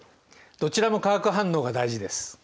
どちらも化学反応が大事です。